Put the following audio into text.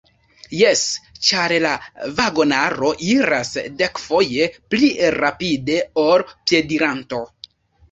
Jes, ĉar la vagonaro iras dekfoje pli rapide ol piediranto.